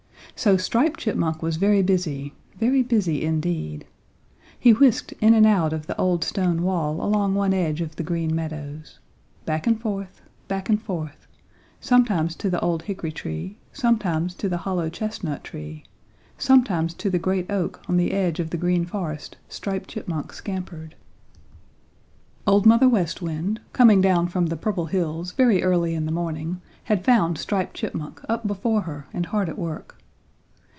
So Striped Chipmunk was very busy, very busy indeed! He whisked in and out of the old stone wall along one edge of the Green Meadows. Back and forth, back and forth, sometimes to the old hickory tree, sometimes to the hollow chestnut tree, sometimes to the great oak on the edge of the Green Forest Striped Chipmunk scampered. Old Mother West Wind, coming down from the Purple Hills very early in the morning, had found Striped Chipmunk up before her and hard at work.